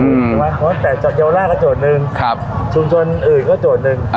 อืมใช่ไหมผมว่าแต่เยาวราคก็โจทย์หนึ่งครับชุมชนอื่นก็โจทย์หนึ่งอ่า